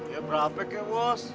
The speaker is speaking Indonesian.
ya berapa ke bos